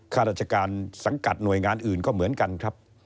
ข้าราชการสังกัดหน่วยงานอื่นก็เหมือนกันครับ